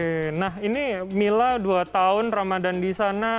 oke nah ini mila dua tahun ramadan di sana